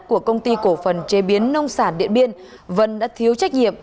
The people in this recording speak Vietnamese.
của công ty cổ phần chế biến nông sản điện biên vân đã thiếu trách nhiệm